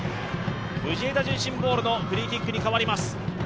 藤枝順心ボールのフリーキックにかわります。